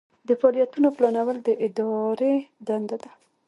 د فعالیتونو پلانول هم د ادارې دنده ده.